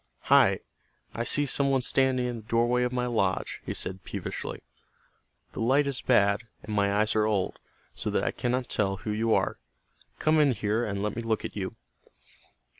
"Hi, I see some one standing in the doorway of my lodge," he said, peevishly. "The light is bad, and my eyes are old, so that I cannot tell who you are. Come in here, and let me look at you."